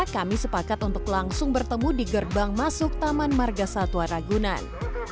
kami sepakat untuk langsung bertemu di gerbang masuk taman marga satwa ragunan